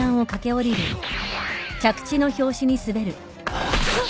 あっ！